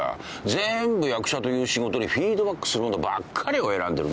全部役者という仕事にフィードバックするものばっかりを選んでる。